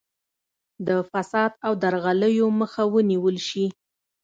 د فساد او درغلیو مخه ونیول شي.